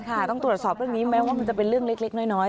ต้องตรวจสอบเรื่องนี้แม้ว่ามันจะเป็นเรื่องเล็กน้อย